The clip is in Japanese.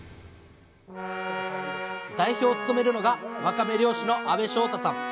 代表を務めるのがわかめ漁師の阿部勝太さん。